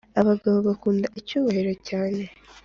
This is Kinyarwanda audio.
Abagabo bakunda icyubahiro cyane